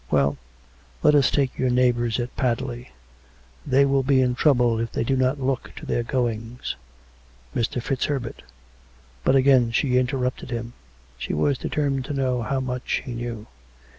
" Well ; let us take your neighbours at Padley. They will be in trouble if they do not look to their goings. Mr. FitzHerbert " But again she interrupted him. She was determined to know how much he knew.